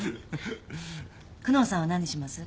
久能さんは何します？